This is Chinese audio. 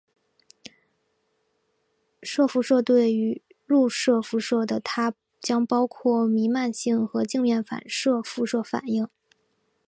射辐射对入射辐射的它将包括弥漫性和镜面反射辐射反映。